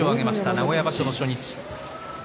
名古屋場所の初日。